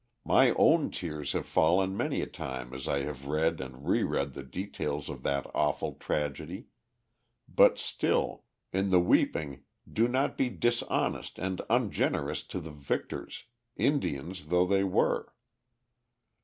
My own tears have fallen many a time as I have read and reread the details of that awful tragedy; but still, in the weeping do not be dishonest and ungenerous to the victors, Indians though they were.